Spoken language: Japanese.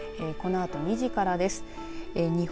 このあと２時からです。